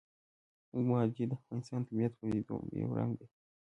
وادي د افغانستان د طبیعي پدیدو یو رنګ دی.